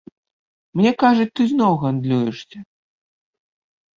Мне кажуць, ты зноў гандлюешся.